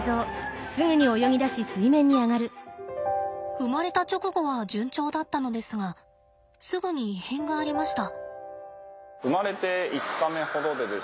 生まれた直後は順調だったのですがすぐに異変がありました。